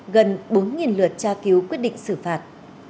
gần bốn lượt tra cứu quyết định xử phạt